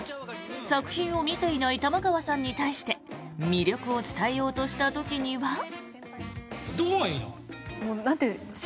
作品を見ていない玉川さんに対して魅力を伝えようとした時には。